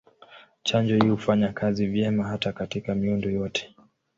Chanjo hii hufanya kazi vyema hata katika miundo yote.